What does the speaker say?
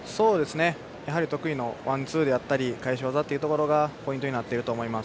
やはり得意のワンツーや返し技というところがポイントになってると思います。